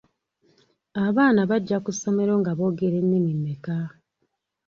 Abaana bajja ku ssomero nga boogera ennimi mmeka?